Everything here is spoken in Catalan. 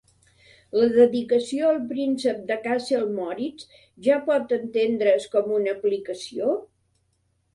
La dedicació al Príncep de Kassel Moritz ja pot entendre's com una aplicació?